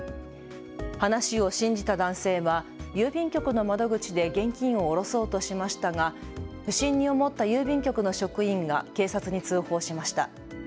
話を信じた男性は郵便局の窓口で現金を下ろそうとしましたが不審に思った郵便局の職員が警察に通報しました。